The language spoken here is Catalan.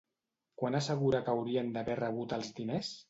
Quan assegura que haurien d'haver rebut els diners?